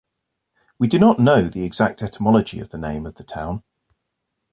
We do not know the exact etymology of the name of the town.